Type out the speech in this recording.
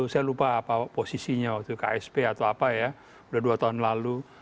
saya lupa apa posisinya waktu ksp atau apa ya sudah dua tahun lalu